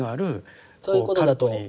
そういうことだと思います。